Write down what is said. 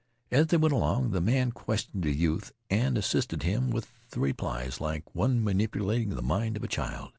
As they went along, the man questioned the youth and assisted him with the replies like one manipulating the mind of a child.